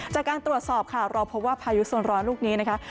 จากการตรวจสอบค่ะเราพบว่าพายุส่วนร้อนลูกนี้นะคะ